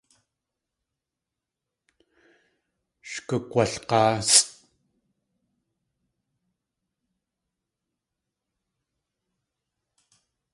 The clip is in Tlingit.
Sh gug̲walg̲áasʼ.